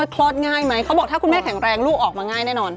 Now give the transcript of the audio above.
คลอดง่ายไหมเขาบอกถ้าคุณแม่แข็งแรงลูกออกมาง่ายแน่นอน